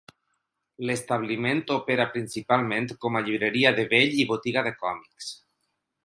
L'establiment opera principalment com a llibreria de vell i botiga de còmics.